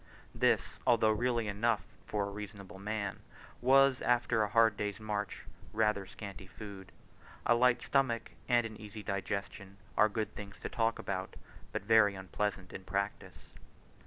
This, although really enough for reasonable men, was, after a hard day's march, rather scanty food: a light stomach and an easy digestion are good things to talk about, but very unpleasant in practice.